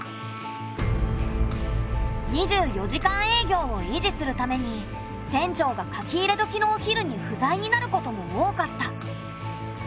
２４時間営業を維持するために店長が書き入れ時のお昼に不在になることも多かった。